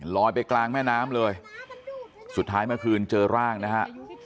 ลอยไปกลางแม่น้ำเลยสุดท้ายเมื่อคืนเจอร่างนะฮะ